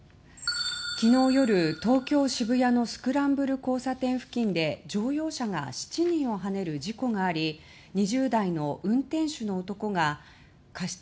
昨日夜、東京・渋谷のスクランブル交差点付近で乗用車が７人をはねる事故があり２０代の運転手の男が過失